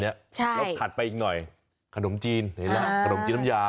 แล้วขาดไปอีกหน่อยขนมจีนขนมจีนน้ำยา